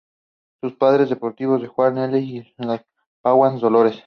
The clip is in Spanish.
Sus padres adoptivos son Juan L. y su padawan Dolores.